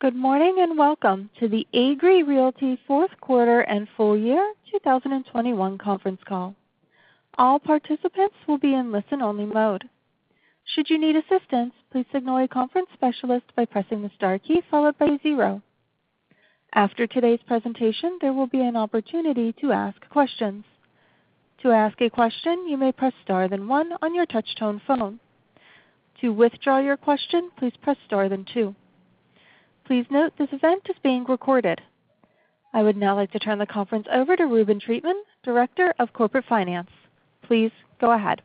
Good morning, and welcome to the Agree Realty fourth quarter and full year 2021 conference call. All participants will be in listen-only mode. Should you need assistance, please signal a conference specialist by pressing the star key followed by zero. After today's presentation, there will be an opportunity to ask questions. To ask a question, you may press star then one on your touchtone phone. To withdraw your question, please press star then two. Please note this event is being recorded. I would now like to turn the conference over to Reuben Treatman, Director of Corporate Finance. Please go ahead.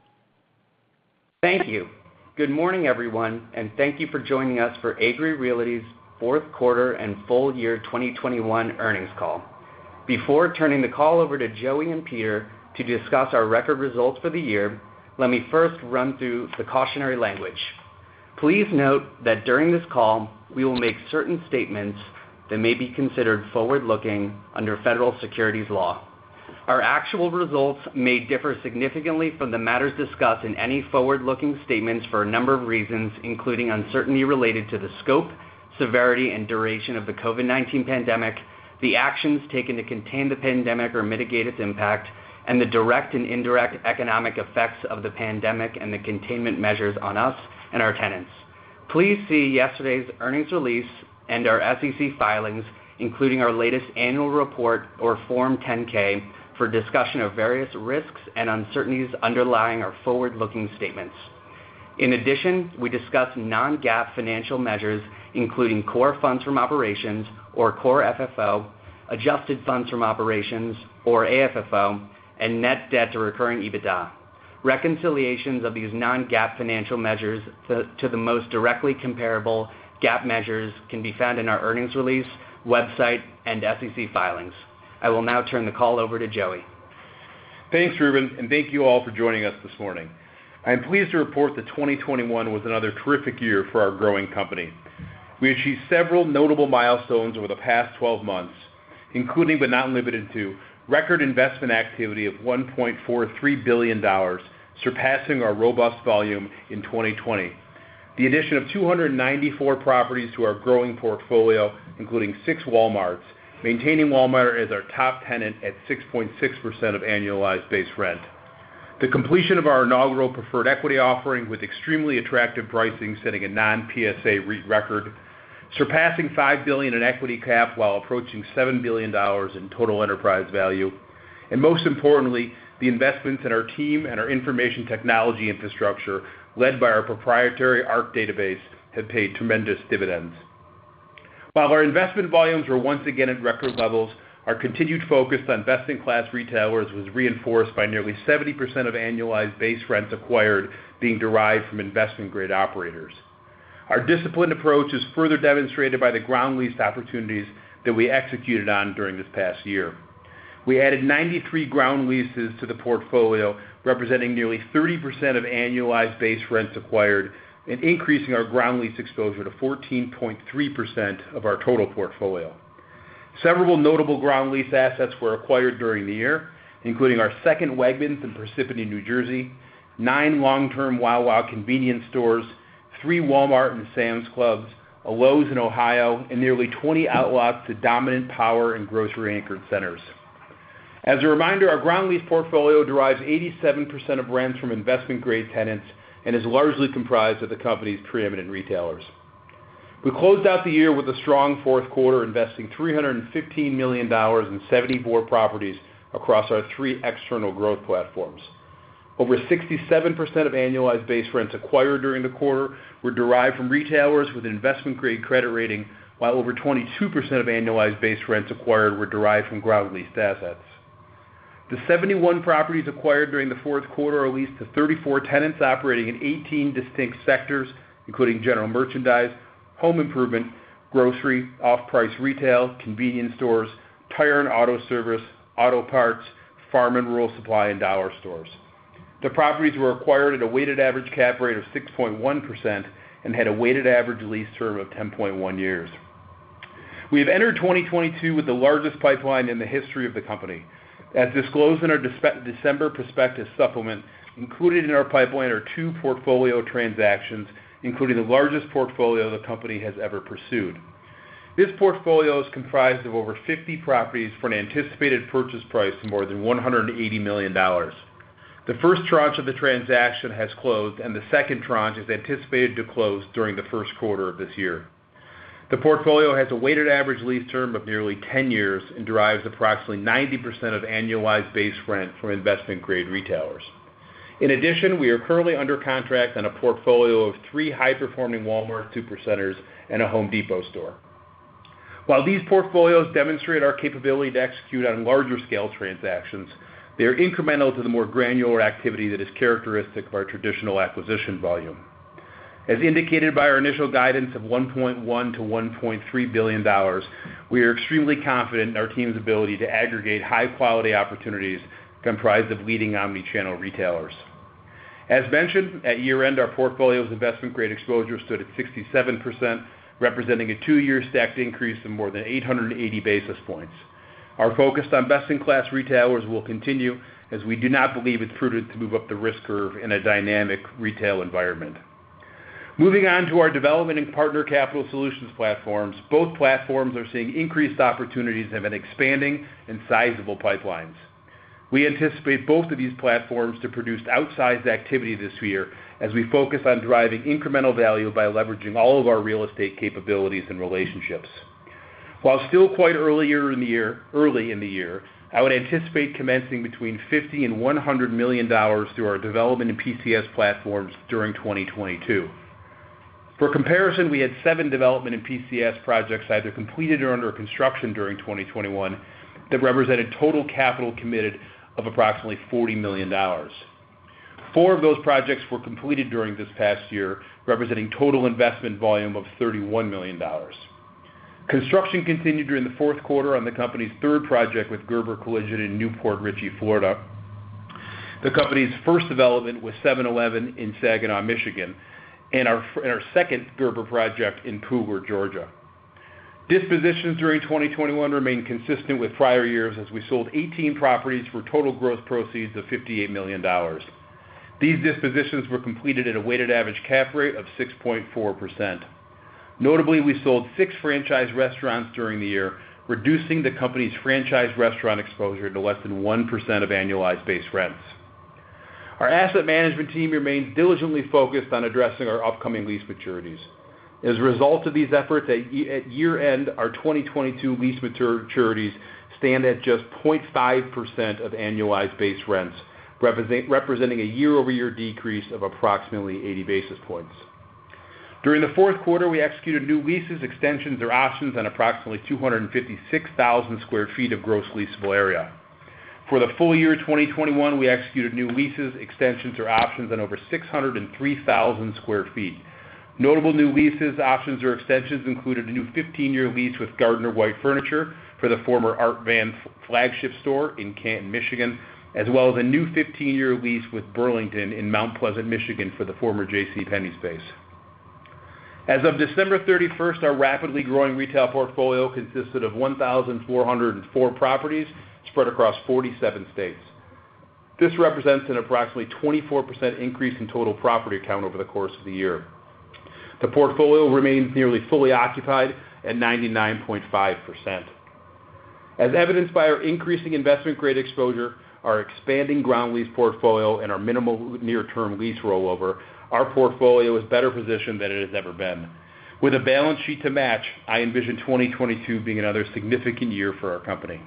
Thank you. Good morning everyone and thank you for joining us for Agree Realty's fourth quarter and full year 2021 earnings call. Before turning the call over to Joey and Peter to discuss our record results for the year let me first run through the cautionary language. Please note that during this call, we will make certain statements that may be considered forward-looking under federal securities law. Our actual results may differ significantly from the matters discussed in any forward-looking statements for a number of reasons, including uncertainty related to the scope, severity, and duration of the COVID-19 pandemic, the actions taken to contain the pandemic or mitigate its impact, and the direct and indirect economic effects of the pandemic and the containment measures on us and our tenants. Please see yesterday's earnings release and our SEC filings, including our latest annual report or Form 10-K, for a discussion of various risks and uncertainties underlying our forward-looking statements. In addition, we discuss non-GAAP financial measures, including core funds from operations or core FFO, adjusted funds from operations or AFFO, and net debt to recurring EBITDA. Reconciliations of these non-GAAP financial measures to the most directly comparable GAAP measures can be found in our earnings release, website and SEC filings. I will now turn the call over to Joey. Thanks Reuben and thank you all for joining us this morning. I am pleased to report that 2021 was another terrific year for our growing company. We achieved several notable milestones over the past 12 months, including, but not limited to, record investment activity of $1.43 billion, surpassing our robust volume in 2020. The addition of 294 properties to our growing portfolio, including six Walmarts, maintaining Walmart as our top tenant at 6.6% of annualized base rent. The completion of our inaugural preferred equity offering with extremely attractive pricing, setting a non-PSA REIT record, surpassing $5 billion in equity cap while approaching $7 billion in total enterprise value. Most importantly the investments in our team and our information technology infrastructure led by our proprietary ARC database have paid tremendous dividends. While our investment volumes were once again at record levels, our continued focus on best-in-class retailers was reinforced by nearly 70% of annualized base rents acquired being derived from investment-grade operators. Our disciplined approach is further demonstrated by the ground lease opportunities that we executed on during this past year. We added 93 ground leases to the portfolio, representing nearly 30% of annualized base rents acquired and increasing our ground lease exposure to 14.3% of our total portfolio. Several notable ground lease assets were acquired during the year, including our second Wegmans in Parsippany, New Jersey, nine long-term Wawa convenience stores, three Walmart and Sam's Club, a Lowe's in Ohio, and nearly 20 out-lots to dominant power and grocery anchored centers. As a reminder, our ground lease portfolio derives 87% of rents from investment-grade tenants and is largely comprised of the company's preeminent retailers. We closed out the year with a strong fourth quarter, investing $315 million in 74 properties across our three external growth platforms. Over 67% of annualized base rents acquired during the quarter were derived from retailers with investment-grade credit rating, while over 22% of annualized base rents acquired were derived from ground leased assets. The 71 properties acquired during the fourth quarter are leased to 34 tenants operating in 18 distinct sectors, including general merchandise, home improvement, grocery, off-price retail, convenience stores, tire and auto service, auto parts, farm and rural supply, and dollar stores. The properties were acquired at a weighted average cap rate of 6.1% and had a weighted average lease term of 10.1 years. We have entered 2022 with the largest pipeline in the history of the company. As disclosed in our December prospectus supplement, included in our pipeline are two portfolio transactions, including the largest portfolio the company has ever pursued. This portfolio is comprised of over 50 properties for an anticipated purchase price of more than $180 million. The first tranche of the transaction has closed, and the second tranche is anticipated to close during the first quarter of this year. The portfolio has a weighted average lease term of nearly 10 years and derives approximately 90% of annualized base rent from investment-grade retailers. In addition, we are currently under contract on a portfolio of three high-performing Walmart supercenters and a Home Depot store. While these portfolios demonstrate our capability to execute on larger scale transactions, they are incremental to the more granular activity that is characteristic of our traditional acquisition volume. As indicated by our initial guidance of $1.1 billion-$1.3 billion, we are extremely confident in our team's ability to aggregate high-quality opportunities comprised of leading omni-channel retailers. As mentioned, at year-end our portfolio's investment-grade exposure stood at 67%, representing a two-year stacked increase of more than 880 basis points. Our focus on best-in-class retailers will continue as we do not believe it's prudent to move up the risk curve in a dynamic retail environment. Moving on to our development in partner capital solutions platforms. Both platforms are seeing increased opportunities and have been expanding in sizable pipelines. We anticipate both of these platforms to produce outsized activity this year as we focus on driving incremental value by leveraging all of our real estate capabilities and relationships. Early in the year, I would anticipate commencing between $50 million and $100 million through our development in PCS platforms during 2022. For comparison, we had 7 developments in PCS projects either completed or under construction during 2021 that represented total capital committed of approximately $40 million. Four of those projects were completed during this past year, representing total investment volume of $31 million. Construction continued during the fourth quarter on the company's third project with Gerber Collision in New Port Richey, Florida. The company's first development was 7-Eleven in Saginaw, Michigan, and our second Gerber project in Conyers, Georgia. Dispositions during 2021 remained consistent with prior years as we sold 18 properties for total gross proceeds of $58 million. These dispositions were completed at a weighted average cap rate of 6.4%. Notably, we sold six franchise restaurants during the year, reducing the company's franchise restaurant exposure to less than 1% of annualized base rents. Our asset management team remains diligently focused on addressing our upcoming lease maturities. As a result of these efforts at year-end, our 2022 lease maturities stand at just 0.5% of annualized base rents, representing a year-over-year decrease of approximately 80 basis points. During the fourth quarter, we executed new leases, extensions or options on approximately 256,000 sq ft of gross leasable area. For the full year 2021, we executed new leases, extensions or options on over 603,000 sq ft. Notable new leases, options or extensions included a new 15-year lease with Gardner-White Furniture for the former Art Van Furniture flagship store in Canton, Michigan, as well as a new 15-year lease with Burlington in Mount Pleasant, Michigan for the former JCPenney space. As of December 31, our rapidly growing retail portfolio consisted of 1,004 properties spread across 47 states. This represents an approximately 24% increase in total property count over the course of the year. The portfolio remains nearly fully occupied at 99.5%. As evidenced by our increasing investment-grade exposure, our expanding ground lease portfolio and our minimal near-term lease rollover, our portfolio is better positioned than it has ever been. With a balance sheet to match, I envision 2022 being another significant year for our company.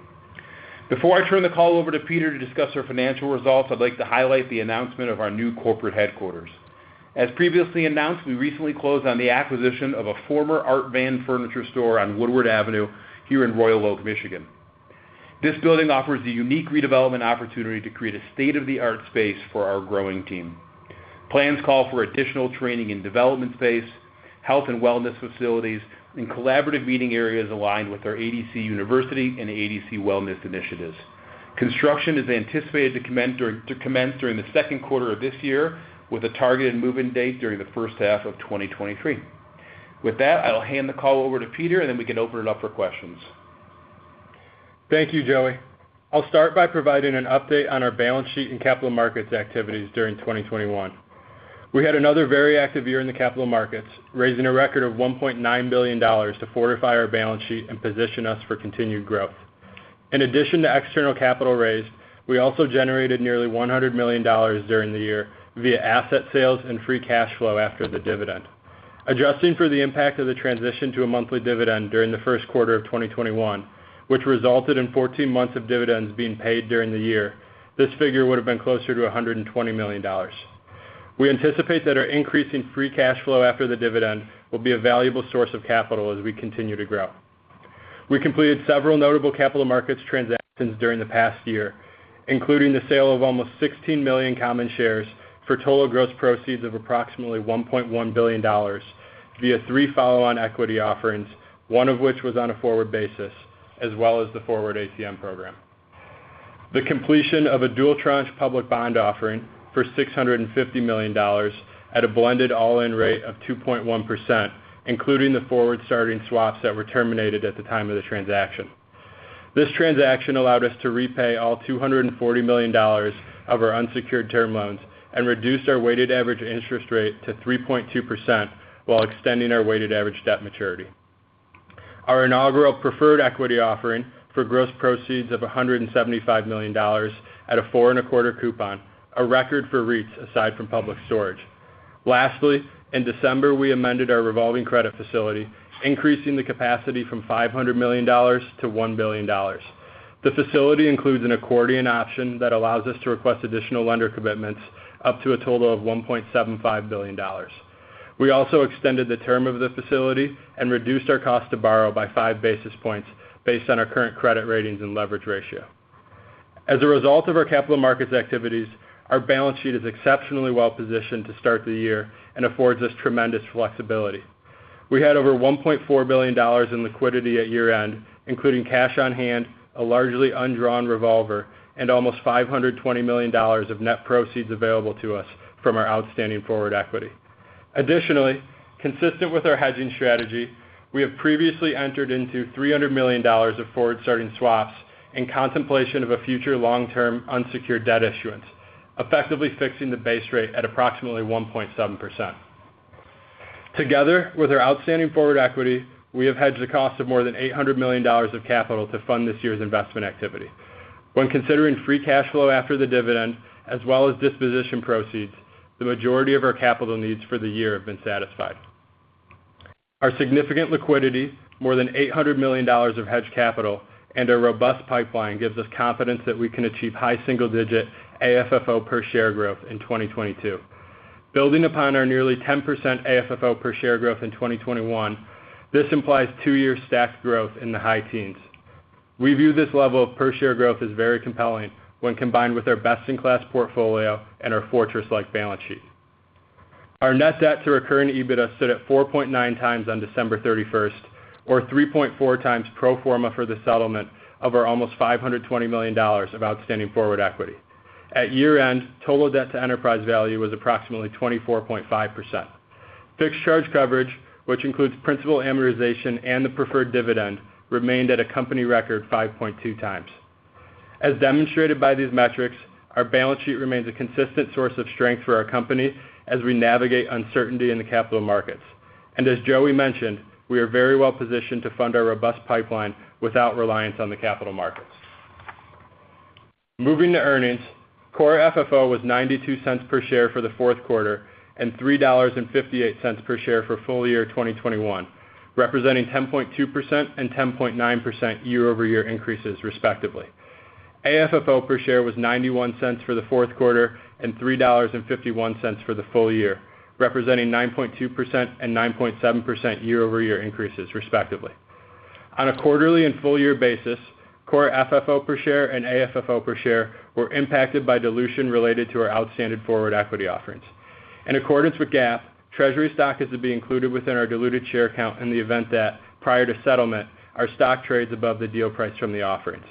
Before I turn the call over to Peter to discuss our financial results, I'd like to highlight the announcement of our new corporate headquarters. As previously announced, we recently closed on the acquisition of a former Art Van Furniture store on Woodward Avenue here in Royal Oak, Michigan. This building offers a unique redevelopment opportunity to create a state-of-the-art space for our growing team. Plans call for additional training and development space, health and wellness facilities, and collaborative meeting areas aligned with our ADC University and ADC Wellness initiatives. Construction is anticipated to commence during the second quarter of this year with a targeted move-in date during the first half of 2023. With that, I'll hand the call over to Peter and then we can open it up for questions. Thank you, Joey. I'll start by providing an update on our balance sheet and capital markets activities during 2021. We had another very active year in the capital markets, raising a record of $1.9 billion to fortify our balance sheet and position us for continued growth. In addition to external capital raised, we also generated nearly $100 million during the year via asset sales and free cash flow after the dividend. Adjusting for the impact of the transition to a monthly dividend during the first quarter of 2021, which resulted in 14 months of dividends being paid during the year, this figure would've been closer to $120 million. We anticipate that our increasing free cash flow after the dividend will be a valuable source of capital as we continue to grow. We completed several notable capital markets transactions during the past year including the sale of almost 16 million common shares for total gross proceeds of approximately $1.1 billion via three follow-on equity offerings, one of which was on a forward basis, as well as the forward ATM program. The completion of a dual-tranche public bond offering for $650 million at a blended all-in rate of 2.1%, including the forward starting swaps that were terminated at the time of the transaction. This transaction allowed us to repay all $240 million of our unsecured term loans and reduced our weighted average interest rate to 3.2% while extending our weighted average debt maturity. Our inaugural preferred equity offering for gross proceeds of $175 million at a 4.25% coupon, a record for REITs aside from Public Storage. Lastly, in December we amended our revolving credit facility, increasing the capacity from $500 million to $1 billion. The facility includes an accordion option that allows us to request additional lender commitments up to a total of $1.75 billion. We also extended the term of the facility and reduced our cost to borrow by five basis points based on our current credit ratings and leverage ratio. As a result of our capital markets activities, our balance sheet is exceptionally well positioned to start the year and affords us tremendous flexibility. We had over $1.4 billion in liquidity at year-end including cash on hand, a largely undrawn revolver, and almost $520 million of net proceeds available to us from our outstanding forward equity. Additionally, consistent with our hedging strategy we have previously entered into $300 million of forward starting swaps in contemplation of a future long-term unsecured debt issuance, effectively fixing the base rate at approximately 1.7%. Together with our outstanding forward equity, we have hedged the cost of more than $800 million of capital to fund this year's investment activity. When considering free cash flow after the dividend, as well as disposition proceeds, the majority of our capital needs for the year have been satisfied. Our significant liquidity, more than $800 million of hedged capital, and our robust pipeline gives us confidence that we can achieve high single-digit AFFO per share growth in 2022. Building upon our nearly 10% AFFO per share growth in 2021, this implies two-year stacked growth in the high teens. We view this level of per share growth as very compelling when combined with our best-in-class portfolio and our fortress-like balance sheet. Our net debt to recurring EBITDA stood at 4.9 times on December 31, or 3.4 times pro forma for the settlement of our almost $520 million of outstanding forward equity. At year-end, total debt to enterprise value was approximately 24.5%. Fixed charge coverage, which includes principal amortization and the preferred dividend, remained at a company record 5.2 times. As demonstrated by these metrics, our balance sheet remains a consistent source of strength for our company as we navigate uncertainty in the capital markets. As Joey mentioned, we are very well positioned to fund our robust pipeline without reliance on the capital markets. Moving to earnings, core FFO was $0.92 per share for the fourth quarter and $3.58 per share for full year 2021, representing 10.2% and 10.9% year-over-year increases, respectively. AFFO per share was $0.91 for the fourth quarter and $3.51 for the full year, representing 9.2% and 9.7% year-over-year increases, respectively. On a quarterly and full year basis, core FFO per share and AFFO per share were impacted by dilution related to our outstanding forward equity offerings. In accordance with GAAP, treasury stock is to be included within our diluted share count in the event that, prior to settlement, our stock trades above the deal price from the offerings.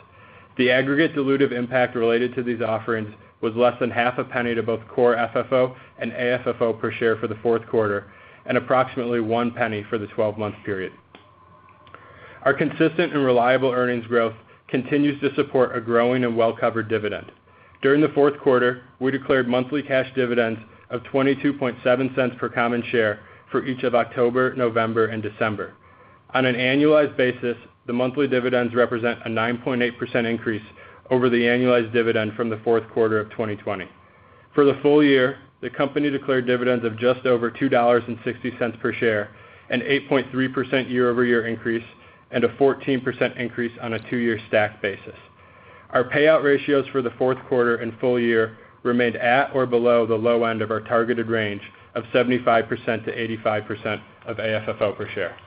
The aggregate dilutive impact related to these offerings was less than half a penny to both core FFO and AFFO per share for the fourth quarter and approximately $0.01 for the 12-month period. Our consistent and reliable earnings growth continues to support a growing and well-covered dividend. During the fourth quarter, we declared monthly cash dividends of $0.227 per common share for each of October, November, and December. On an annualized basis, the monthly dividends represent a 9.8% increase over the annualized dividend from the fourth quarter of 2020. For the full year, the company declared dividends of just over $2.60 per share, an 8.3% year-over-year increase, and a 14% increase on a two-year stacked basis. Our payout ratios for the fourth quarter and full year remained at or below the low end of our targeted range of 75%-85% of AFFO per share.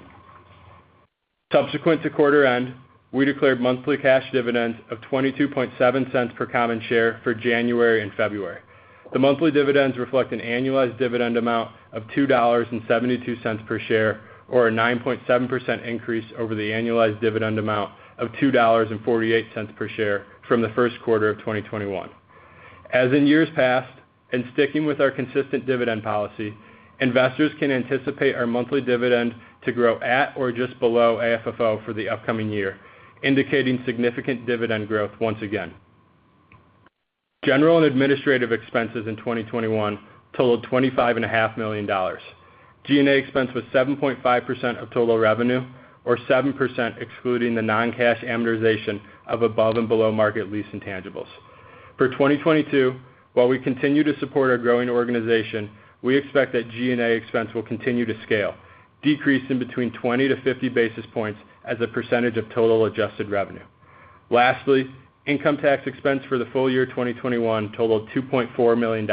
Subsequent to quarter end we declared monthly cash dividends of $0.227 per common share for January and February. The monthly dividends reflect an annualized dividend amount of $2.72 per share, or a 9.7% increase over the annualized dividend amount of $2.48 per share from the first quarter of 2021. As in years past and sticking with our consistent dividend policy, investors can anticipate our monthly dividend to grow at or just below AFFO for the upcoming year, indicating significant dividend growth once again. General and administrative expenses in 2021 totaled $25.5 million. G&A expense was 7.5% of total revenue, or 7% excluding the non-cash amortization of above and below market lease intangibles. For 2022, while we continue to support our growing organization, we expect that G&A expense will continue to scale, decrease in between 20-50 basis points as a percentage of total adjusted revenue. Lastly, income tax expense for the full year 2021 totaled $2.4 million.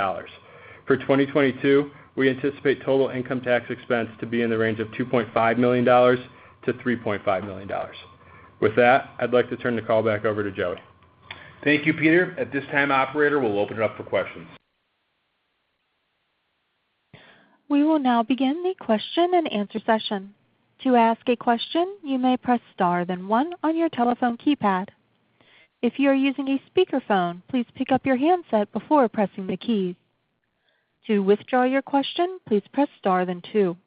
For 2022, we anticipate total income tax expense to be in the range of $2.5 million-$3.5 million. With that, I'd like to turn the call back over to Joey. Thank you, Peter. At this time, operator we'll open it up for questions. We will now begin the question-and-answer session. To ask a question, you may press star then one on your telephone keypad. If you are using a speakerphone, please pick up your handset before pressing the key. To withdraw your question, please press star then two.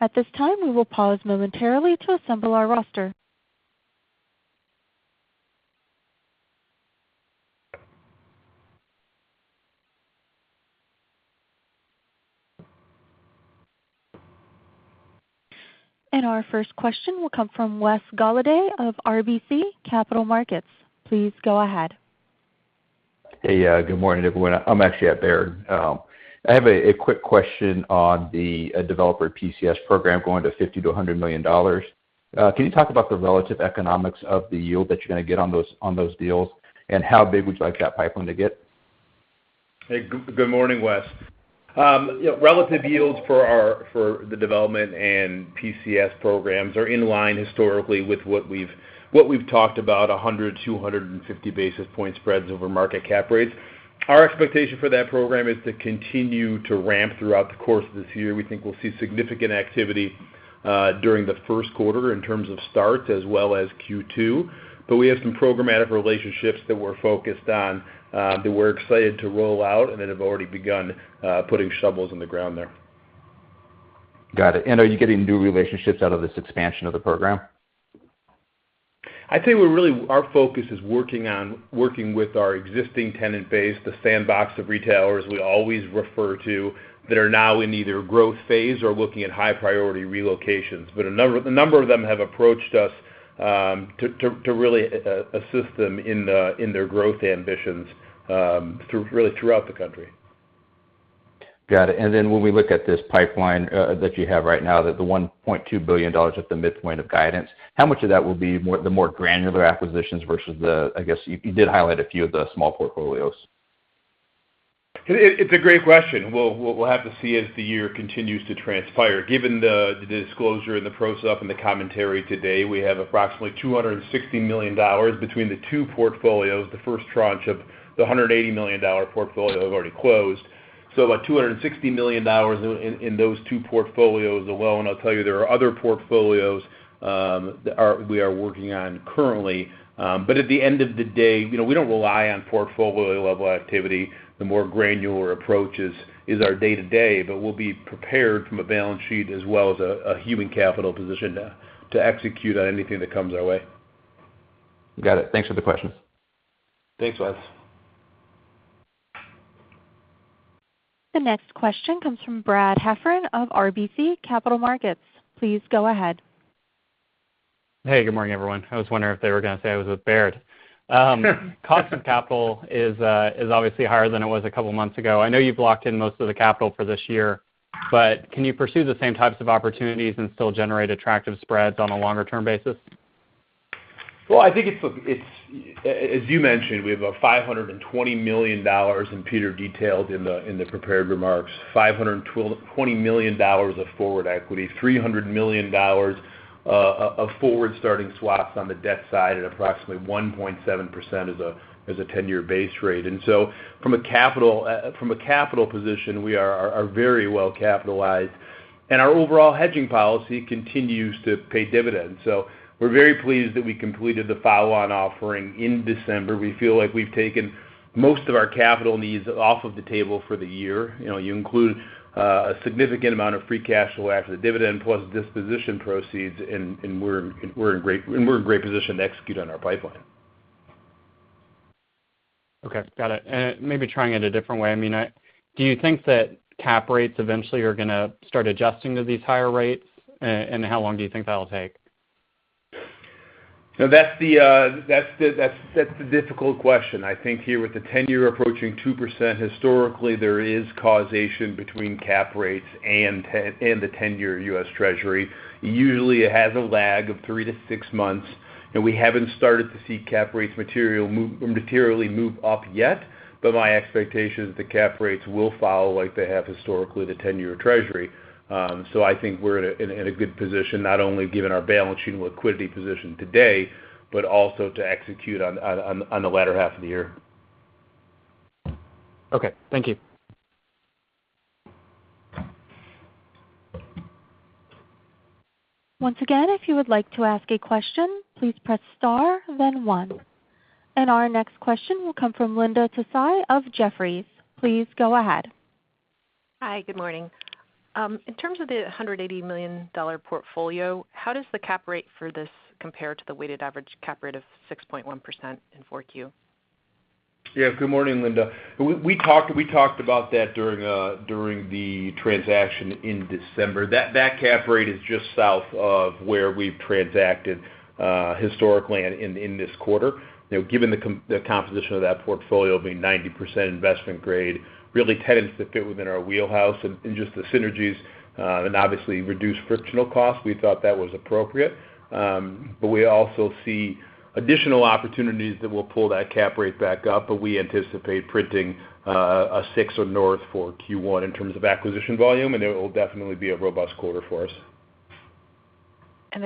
At this time, we will pause momentarily to assemble our roster. Our first question will come from Wes Golladay of RBC Capital Markets. Please go ahead. Hey, good morning everyone. I'm actually at Baird. I have a quick question on the developer PCS program going to $50 million-$100 million. Can you talk about the relative economics of the yield that you're gonna get on those deals and how big would you like that pipeline to get? Hey, good morning, Wes. You know, relative yields for our development and PCS programs are in line historically with what we've talked about, 100-250 basis point spreads over market cap rates. Our expectation for that program is to continue to ramp throughout the course of this year. We think we'll see significant activity during the first quarter in terms of start as well as Q2. We have some programmatic relationships that we're focused on that we're excited to roll out and that have already begun putting shovels in the ground there. Got it. Are you getting new relationships out of this expansion of the program? I'd say our focus is working with our existing tenant base, the sandbox of retailers we always refer t that are now in either growth phase or looking at high-priority relocations. A number of them have approached us to really assist them in their growth ambitions throughout the country. Got it. Then when we look at this pipeline that you have right now, the $1.2 billion at the midpoint of guidance, how much of that will be the more granular acquisitions versus the, I guess you did highlight a few of the small portfolios? It's a great question. We'll have to see as the year continues to transpire. Given the disclosure and the process and the commentary today, we have approximately $260 million between the two portfolios, the first tranche of the $180 million dollar portfolio has already closed. So about $260 million in those two portfolios alone. I'll tell you there are other portfolios that we are working on currently. But at the end of the day, you know, we don't rely on portfolio-level activity. The more granular approach is our day-to-day, but we'll be prepared from a balance sheet as well as a human capital position to execute on anything that comes our way. Got it. Thanks for the question. Thanks, Wes. The next question comes from Brad Heffern of RBC Capital Markets. Please go ahead. Hey, good morning everyone. I was wondering if they were gonna say I was with Baird. Cost of capital is obviously higher than it was a couple of months ago. I know you've locked in most of the capital for this year but can you pursue the same types of opportunities and still generate attractive spreads on a longer-term basis? I think it is, as you mentioned, we have $520 million, and Peter detailed in the prepared remarks, $520 million of forward equity, $300 million of forward starting swaps on the debt side at approximately 1.7% as a ten-year base rate. From a capital position, we are very well capitalized. Our overall hedging policy continues to pay dividends. We're very pleased that we completed the follow-on offering in December. We feel like we've taken most of our capital needs off of the table for the year. You know, you include a significant amount of free cash flow after the dividend plus disposition proceeds, and we're in great position to execute on our pipeline. Okay, got it. Maybe trying it a different way. I mean, do you think that cap rates eventually are gonna start adjusting to these higher rates? And how long do you think that'll take? That's the difficult question. I think here with the 10-year approaching 2%, historically, there is causation between cap rates and the 10-year U.S. Treasury. Usually, it has a lag of three to six months, and we haven't started to see cap rates materially move up yet. My expectation is the cap rates will follow like they have historically, the 10-year Treasury. I think we're in a good position, not only given our balance sheet and liquidity position today, but also to execute on the latter half of the year. Okay. Thank you. Our next question will come from Linda Tsai of Jefferies. Please go ahead. Hi, good morning. In terms of the $180 million portfolio, how does the cap rate for this compare to the weighted average cap rate of 6.1% in 4Q? Yeah, good morning, Linda. We talked about that during the transaction in December. That cap rate is just south of where we've transacted historically in this quarter. You know, given the composition of that portfolio being 90% investment grade, really tenants that fit within our wheelhouse and just the synergies and obviously reduced frictional costs, we thought that was appropriate. We also see additional opportunities that will pull that cap rate back up, but we anticipate printing a 6% or north for Q1 in terms of acquisition volume and it will definitely be a robust quarter for us.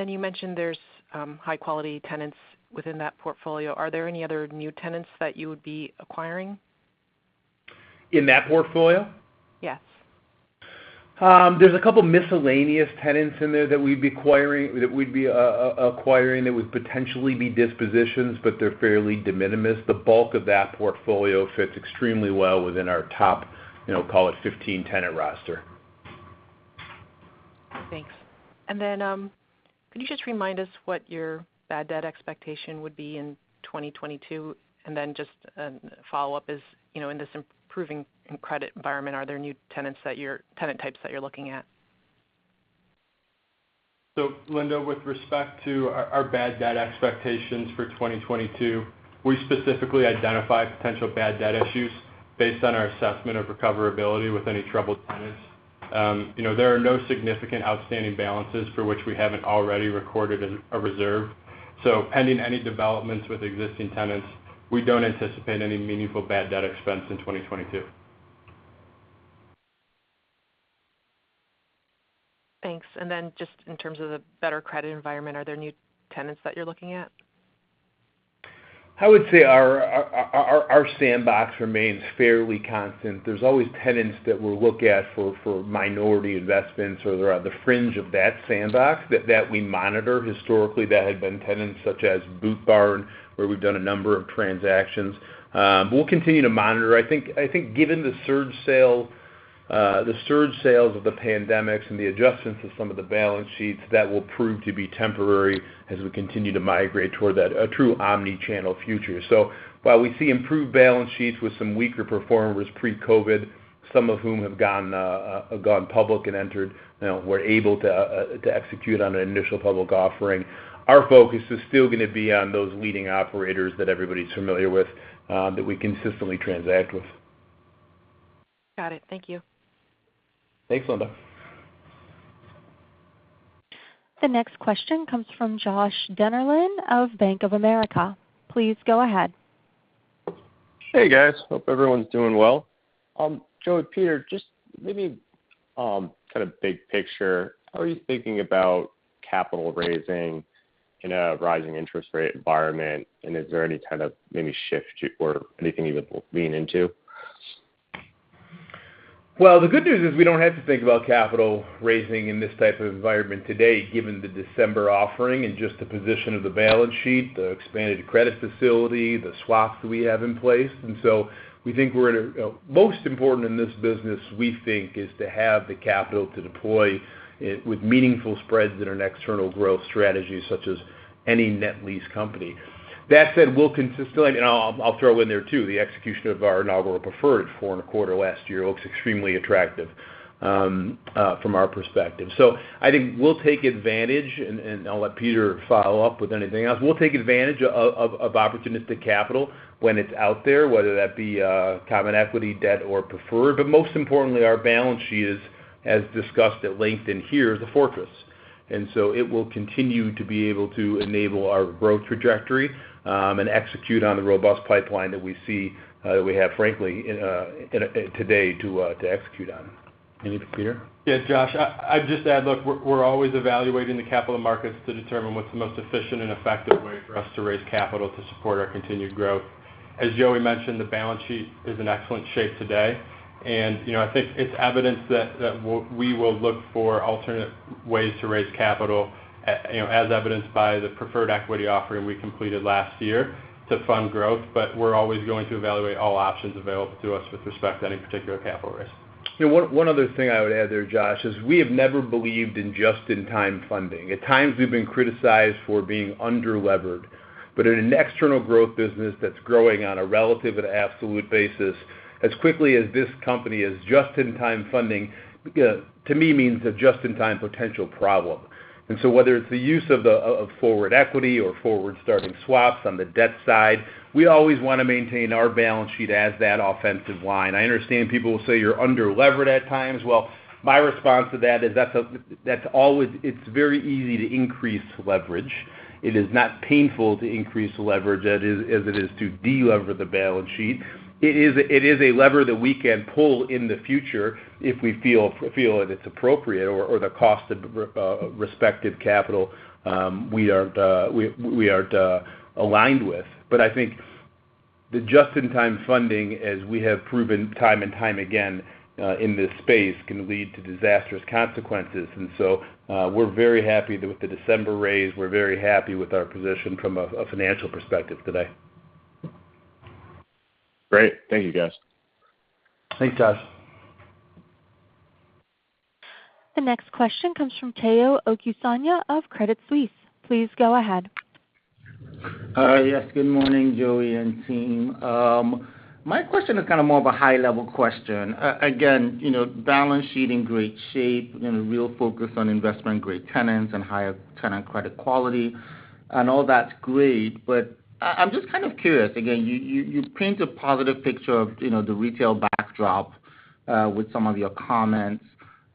You mentioned there's high-quality tenants within that portfolio. Are there any other new tenants that you would be acquiring? In that portfolio? Yes. There's a couple of miscellaneous tenants in there that we'd be acquiring that would potentially be dispositions, but they're fairly de minimis. The bulk of that portfolio fits extremely well within our top, you know, call it 15 tenant roster. Thanks. Then could you just remind us what your bad debt expectation would be in 2022? And then just follow up is, you know, in this improving credit environment, are there new tenant types that you're looking at? Linda, with respect to our bad debt expectations for 2022, we specifically identify potential bad debt issues based on our assessment of recoverability with any troubled tenants. You know, there are no significant outstanding balances for which we haven't already recorded a reserve. Pending any developments with existing tenants, we don't anticipate any meaningful bad debt expense in 2022. Thanks. Just in terms of the better credit environment, are there new tenants that you're looking at? I would say our sandbox remains fairly constant. There's always tenants that we'll look at for minority investments or they're on the fringe of that sandbox that we monitor historically that had been tenants such as Boot Barn, where we've done a number of transactions. We'll continue to monitor. I think given the surge sales of the pandemic and the adjustments to some of the balance sheets, that will prove to be temporary as we continue to migrate toward that true omni-channel future. While we see improved balance sheets with some weaker performers pre-COVID, some of whom have gone public and then, you know, were able to execute on an initial public offering, our focus is still gonna be on those leading operators that everybody's familiar with, that we consistently transact with. Got it. Thank you. Thanks Linda. The next question comes from Josh Dennerlein of Bank of America. Please go ahead. Hey, guys. Hope everyone's doing well. Joey, Peter, just maybe kind of big picture how are you thinking about capital raising in a rising interest rate environment? Is there any kind of maybe shift or anything you would lean into? Well, the good news is we don't have to think about capital raising in this type of environment today, given the December offering and just the position of the balance sheet, the expanded credit facility, the swaps we have in place. We think most important in this business, we think, is to have the capital to deploy it with meaningful spreads in an external growth strategy such as any net lease company. That said, I'll throw in there too the execution of our inaugural preferred 4.25 last year looks extremely attractive from our perspective. I think we'll take advantage and I'll let Peter follow up with anything else. We'll take advantage of opportunistic capital when it's out there, whether that be common equity, debt or preferred, but most importantly our balance sheet is as discussed at length in here, the Fortress. It will continue to be able to enable our growth trajectory and execute on the robust pipeline that we see that we have, frankly, today to execute on. Anything, Peter? Yes. Josh, I'd just add, look we're always evaluating the capital markets to determine what's the most efficient and effective way for us to raise capital to support our continued growth. As Joey mentioned, the balance sheet is in excellent shape today. You know, I think it's evidence that we will look for alternate ways to raise capital, you know, as evidenced by the preferred equity offering we completed last year to fund growth. We're always going to evaluate all options available to us with respect to any particular capital raise. One other thing I would add there Josh, is we have never believed in just-in-time funding. At times, we've been criticized for being under-levered. In an external growth business that's growing on a relative and absolute basis as quickly as this company is, just-in-time funding to me means a just-in-time potential problem. Whether it's the use of forward equity or forward starting swaps on the debt side, we always wanna maintain our balance sheet as that offensive line. I understand people will say you're under-levered at times. Well, my response to that is that's always - it's very easy to increase leverage. It is not painful to increase leverage as it is to de-lever the balance sheet. It is a lever that we can pull in the future if we feel that it's appropriate or the cost of capital we are aligned with. I think the just in time funding, as we have proven time and time again, in this space, can lead to disastrous consequences. We're very happy with the December raise. We're very happy with our position from a financial perspective today. Great. Thank you, guys. Thanks Josh. The next question comes from Tayo Okusanya of Credit Suisse. Please go ahead. Hi. Yes, good morning, Joey and team. My question is kind of more of a high-level question. Again, you know, balance sheet in great shape and a real focus on investment-grade tenants and higher tenant credit quality, and all that's great but I'm just kind of curious. Again, you paint a positive picture of, you know, the retail backdrop, with some of your comments.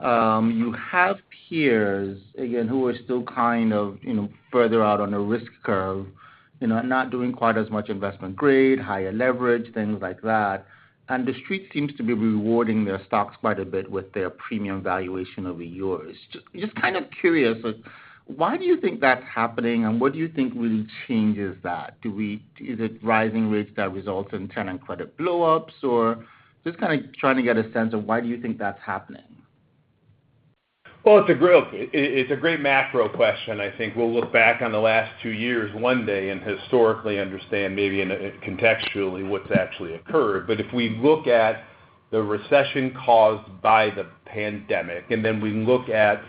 You have peers, again, who are still kind of, you know, further out on a risk curve, you know, not doing quite as much investment grade, higher leverage, things like that. The street seems to be rewarding their stocks quite a bit with their premium valuation over yours. Just kind of curious of why do you think that's happening and what do you think really changes that? Is it rising rates that result in tenant credit blowups or just kind of trying to get a sense of why do you think that's happening? Well, it's a great macro question. I think we'll look back on the last two years one day and historically understand maybe in a contextually what's actually occurred. If we look at the recession caused by the pandemic, and then we look at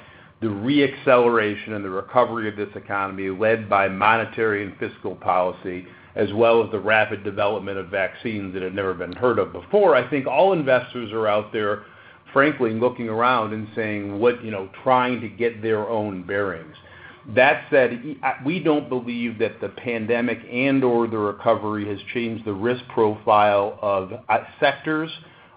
the re-acceleration and the recovery of this economy led by monetary and fiscal policy, as well as the rapid development of vaccines that had never been heard of before, I think all investors are out there, frankly, looking around and saying, "What?" You know, trying to get their own bearings. That said, we don't believe that the pandemic and/or the recovery has changed the risk profile of sectors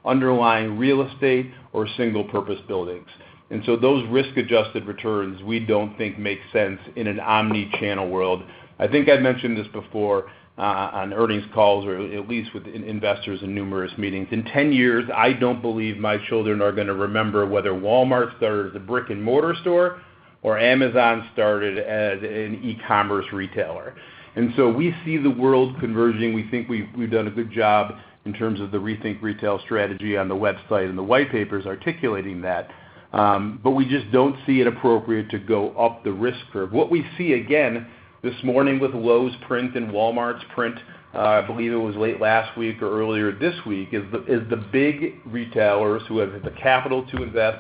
underlying real estate or single purpose buildings. Those risk-adjusted returns, we don't think make sense in an omni-channel world. I think I've mentioned this before on earnings calls or at least with investors in numerous meetings. In 10 years, I don't believe my children are gonna remember whether Walmart started as a brick-and-mortar store or Amazon started as an e-commerce retailer. We see the world converging. We think we've done a good job in terms of the rethink retail strategy on the website, and the white paper is articulating that. We just don't see it appropriate to go up the risk curve. What we see again this morning with Lowe's print and Walmart's print, I believe it was late last week or earlier this week is the big retailers who have the capital to invest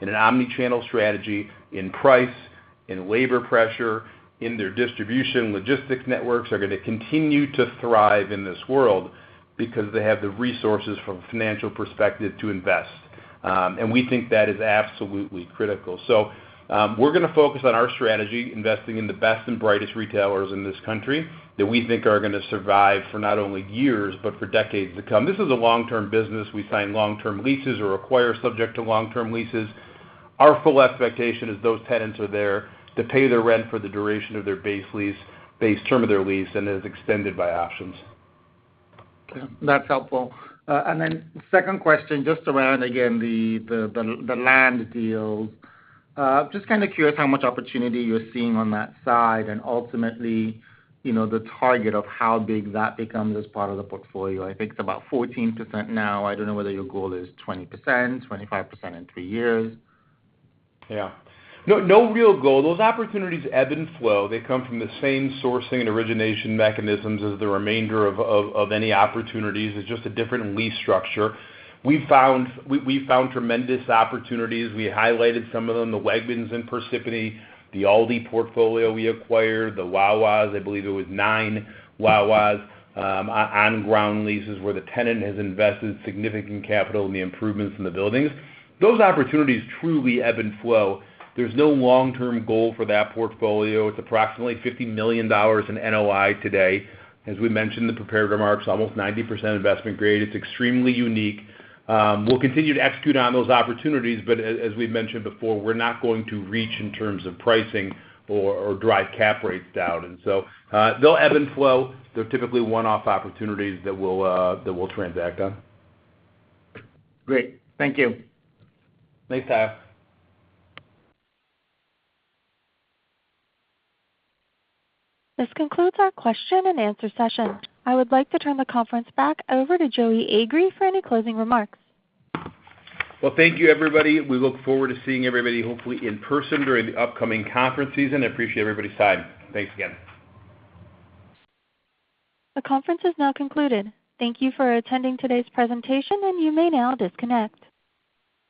in an omni-channel strategy in price, in labor pressure, in their distribution logistics networks, are gonna continue to thrive in this world because they have the resources from a financial perspective to invest. We think that is absolutely critical. We're gonna focus on our strategy, investing in the best and brightest retailers in this country that we think are gonna survive for not only years but for decades to come. This is a long-term business. We sign long-term leases or acquire subject to long-term leases. Our full expectation is those tenants are there to pay their rent for the duration of their base term of their lease and is extended by options. Okay, that's helpful. Second question, just around again the land deals. Just kind of curious how much opportunity you're seeing on that side and ultimately, you know, the target of how big that becomes as part of the portfolio. I think it's about 14% now. I don't know whether your goal is 20%, 25% in three years. Yeah. No real goal, those opportunities ebb and flow. They come from the same sourcing and origination mechanisms as the remainder of any opportunities. It's just a different lease structure. We found tremendous opportunities. We highlighted some of them, the Wegmans in Parsippany, the Aldi portfolio we acquired, the Wawa's, I believe it was nine Wawa's, on ground leases where the tenant has invested significant capital in the improvements in the buildings. Those opportunities truly ebb and flow. There's no long-term goal for that portfolio. It's approximately $50 million in NOI today. As we mentioned in the prepared remarks, almost 90% investment grade. It's extremely unique. We'll continue to execute on those opportunities, but as we've mentioned before, we're not going to reach in terms of pricing or drive cap rates down. They'll ebb and flow. They're typically one-off opportunities that we'll transact on. Great, thank you. Thanks Tayo. This concludes our question-and-answer session. I would like to turn the conference back over to Joey Agree for any closing remarks. Well, thank you, everybody. We look forward to seeing everybody, hopefully in person during the upcoming conference season. I appreciate everybody's time. Thanks again. The conference is now concluded. Thank you for attending today's presentation, and you may now disconnect.